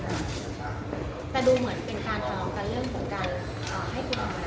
ไม่มีอะไร